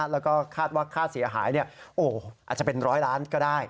แล้วก็คาดว่าค่าเสียหายอาจจะเป็นร้อยล้านก็ได้